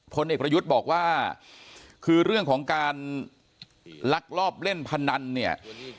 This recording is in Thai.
พลเอกประยุทธ์บอกว่าคือเรื่องของการลักลอบเล่นพนันเนี่ย